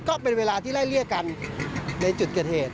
ก็เป็นเวลาที่ไล่เลี่ยกันในจุดเกิดเหตุ